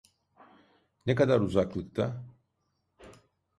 Ne kadar uzaklıkta?